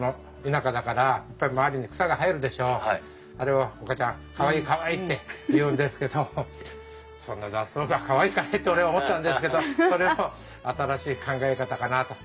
あれは岡ちゃんかわいいかわいいって言うんですけどそんな雑草がかわいいかねって俺は思ったんですけどそれも新しい考え方かなと。